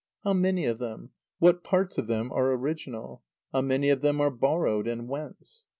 How many of them, what parts of them, are original? How many of them are borrowed, and whence?